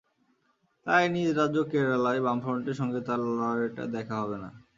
তাই নিজ রাজ্য কেরালায় বামফ্রন্টের সঙ্গে তাঁর লড়াইটা দেখা হবে না।